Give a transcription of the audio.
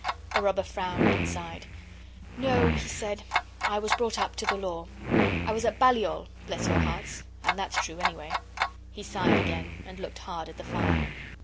The robber frowned and sighed. 'No,' he said, 'I was brought up to the law. I was at Balliol, bless your hearts, and that's true anyway.' He sighed again, and looked hard at the fire.